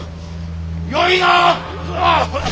よいな！